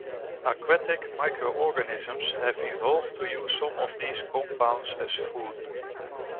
Aquatic microorganisms have evolved to use some of these compounds as food.